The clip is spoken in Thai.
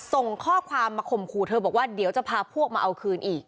ส่งข้อความมาข่มขู่เธอบอกว่าเดี๋ยวจะพาพวกมาเอาคืนอีก